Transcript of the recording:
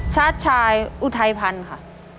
ชาติชายอุทัยพันธ์ค่ะ